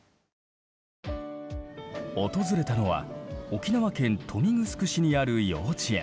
訪れたのは沖縄県豊見城市にある幼稚園。